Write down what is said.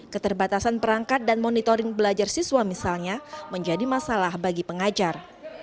keterbatasan perangkat dan monitoring belajar siswa misalnya menjadi masalah bagi pengajar